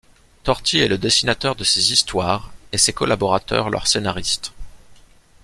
Torti est le dessinateur de ces histoires, et ses collaborateurs leur scénariste.